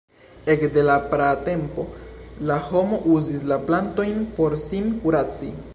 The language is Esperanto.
Ekde la praa tempo la homo uzis la plantojn por sin kuraci.